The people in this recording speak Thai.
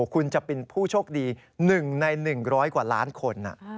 คุณจะเป็นผู้โชคดี๑ใน๑๐๐กว่าล้านคน